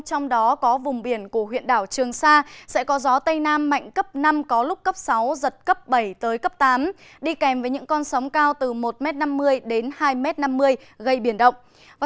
trong đó có vùng biển của huyện đảo trường sa sẽ có gió tây nam mạnh cấp năm có lúc cấp sáu giật cấp bảy tới cấp tám đi kèm với những con sóng cao từ một m năm mươi đến hai m năm mươi